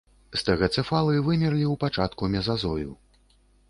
Стэгацэфалы вымерлі ў пачатку мезазою.